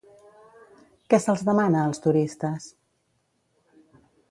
Què se'ls demana, als turistes?